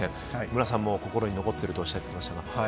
無良さんも心に残ってるとおっしゃっていましたが。